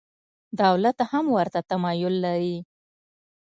دولت هم ورته تمایل لري.